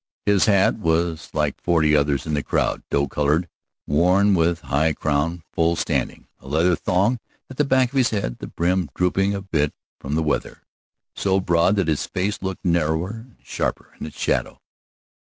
His hat was like forty others in the crowd, doe colored, worn with the high crown full standing, a leather thong at the back of the head, the brim drooping a bit from the weather, so broad that his face looked narrower and sharper in its shadow.